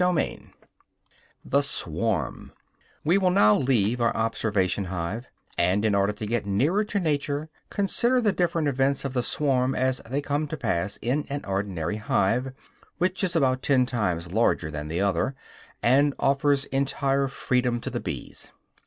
II THE SWARM We will now leave our observation hive, and, in order to get nearer to nature, consider the different events of the swarm as they come to pass in an ordinary hive, which is about ten times larger than the other, and offers entire freedom to the bees.